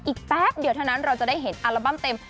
แป๊บเดียวเท่านั้นเราจะได้เห็นอัลบั้มเต็ม